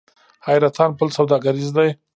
حیرتان پل سوداګریز دی؟